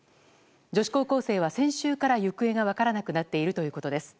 女子高校生は先週から行方が分からなくなっているということです。